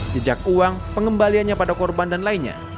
jejak uang pengembaliannya pada korban dan lainnya